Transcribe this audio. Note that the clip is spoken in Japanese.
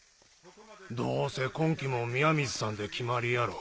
どうせ今期も宮水さんで決まりやろ。